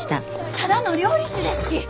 ただの料理酒ですき！